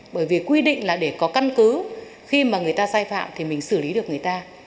bởi vì quy định là để có căn cứ khi mà người ta sai phạm thì mình xử lý được người ta